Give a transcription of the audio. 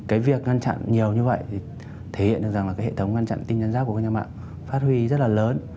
cái việc ngăn chặn nhiều như vậy thì thể hiện được rằng là cái hệ thống ngăn chặn tin nhắn rác của các nhà mạng phát huy rất là lớn